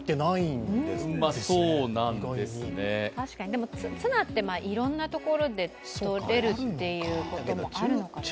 でも、ツナっていろんなところで取れるということもあるのかな？